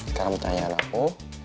sekarang pertanyaan aku